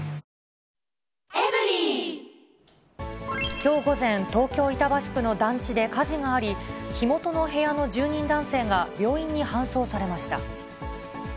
きょう午前、東京・板橋区の団地で火事があり、火元の部屋の住人男性が病院に搬送されました。